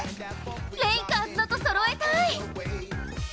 レイカーズのと、そろえたい！